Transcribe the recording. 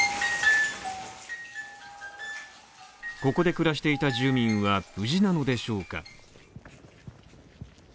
ここで暮らしていた住民は無事なのでしょうか。